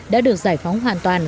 đã được giải phóng hoàn toàn